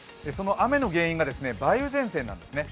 雨の原因が梅雨前線なんですね。